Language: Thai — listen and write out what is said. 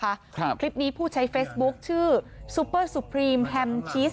ครับคลิปนี้ผู้ใช้เฟซบุ๊คชื่อซูเปอร์สุพรีมแฮมชีส